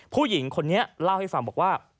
ผู้หญิงคนนี้เล่าให้ฟังบอกว่า